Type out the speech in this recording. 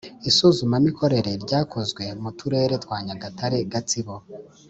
isuzumamikorere ryakozwe mu turere twa nyagatare, gatsibo,